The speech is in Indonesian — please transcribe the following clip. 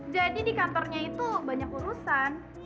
jadi di kantornya itu banyak urusan